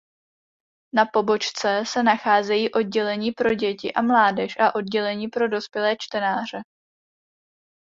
Na pobočce se nacházejí Oddělení pro děti a mládež a Oddělení pro dospělé čtenáře.